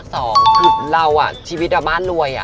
คือเราอะชีวิตอบบ้านรวยอะ